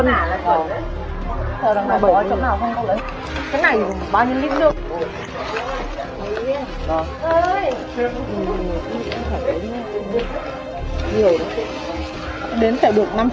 cái này nó hương vị thơm lắm